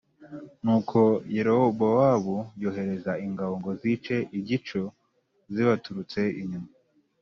Nuko Yerobowamu yohereza ingabo ngo zice igico zibaturutse inyuma